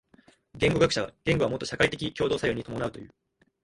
言語学者は言語はもと社会的共同作用に伴うという。